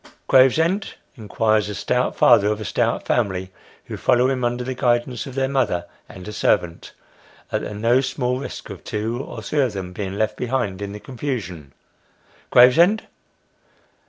" Gravesend ?" inquires a stout father of a stout family, who follow him, under the guidance of their mother, and a servant, at the no small risk of two or three of them being left behind in the confusion. " Gravesend